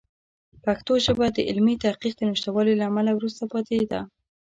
پښتو ژبه د علمي تحقیق د نشتوالي له امله وروسته پاتې ده.